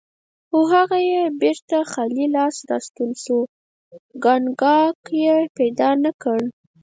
خو هغه بیرته خالي لاس راستون شو، کاګناک یې پیدا نه کړ.